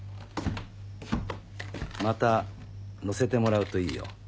また乗せてもらうといいよ。